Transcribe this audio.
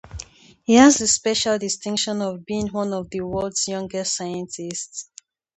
He has the special distinction of being one of the world's youngest scientists.